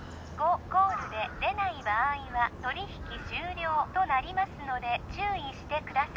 コールで出ない場合は取引終了となりますので注意してください